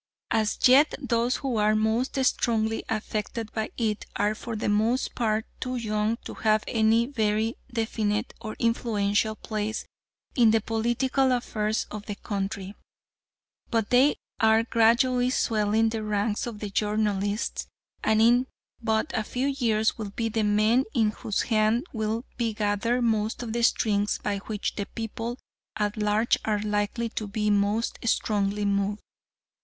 As yet those who are most strongly affected by it are for the most part too young to have any very definite or influential place in the political affairs of the country, but they are gradually swelling the ranks of the journalists, and in but a few years will be the men in whose hands will be gathered most of the strings by which the people at large are likely to be most strongly moved.